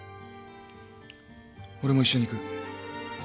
俺も一緒に行く。